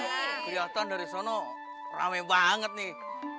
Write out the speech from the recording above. kelihatan dari sana rame banget nih